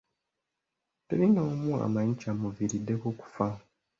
Teri n'omu amanyi kyamuviiriddeko kufa.